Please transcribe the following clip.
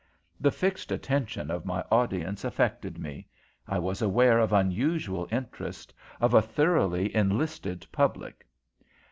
The fixed attention of my audience affected me. I was aware of unusual interest, of a thoroughly enlisted public.